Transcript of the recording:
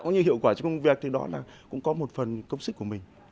có những hiệu quả trong công việc thì đó là cũng có một phần công sức của mình